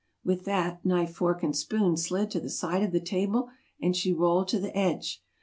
With that, Knife, Fork and Spoon slid to the side of the table, and she rolled to the edge.